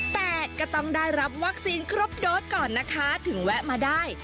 แต่ก็ต้องได้รับวัคซีนครบโดสก่อนนะคะถึงแวะมาได้